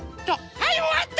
はいおわった！